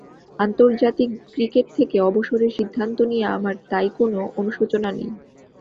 আন্তর্জাতিক ক্রিকেট থেকে অবসরের সিদ্ধান্ত নিয়ে আমার তাই কোনো অনুশোচনা নেই।